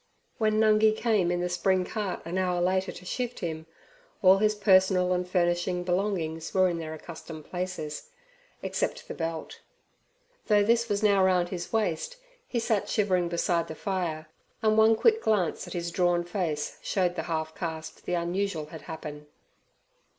When Nungi came in the spring cart an hour later to shift him, all his personal and furnishing belongings were in their accustomed places, except the belt. Though this was now round his waist, he sat shivering beside the fire, and one quick glance at his drawn face showed the half caste the unusual had happened.